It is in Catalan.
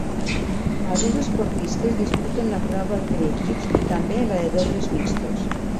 Alguns esportistes disputen la prova per equips i també la de dobles mixtos.